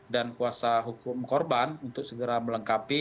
dan kuasa hukum korban untuk segera melengkapi